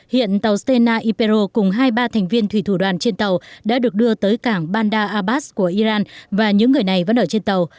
hiện tàu stena ipero cùng hai ba thành viên thủy thủ đoàn trên tàu đã được đưa tới cảng bandar abas của iran và những người này vẫn ở trên tàu